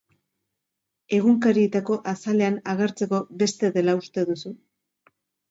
Egunkarietako azalean agertzeko beste dela uste duzu?